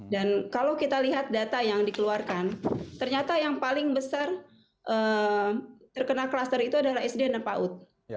dan kalau kita lihat data yang dikeluarkan ternyata yang paling besar terkena klaster itu adalah sd dan paut